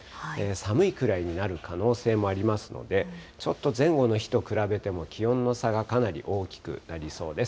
寒いくらいになる可能性もありますので、ちょっと前後の日と比べても、気温の差がかなり大きくなりそうです。